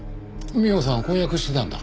美緒さん婚約してたんだ。